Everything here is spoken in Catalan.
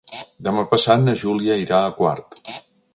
Demà passat na Júlia irà a Quart.